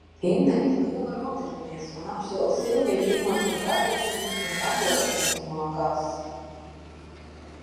Inna ir liela rokdarbniece un apsola Silviju iemācīt adīšanas un tamborēšanas mākās.